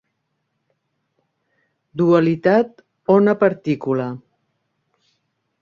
Dualitat ona-partícula.